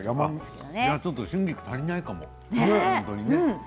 ちょっと春菊足りないかも。